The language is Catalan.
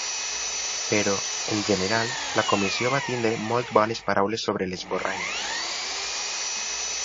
Però, en general, la comissió va tenir molt bones paraules sobre l’esborrany.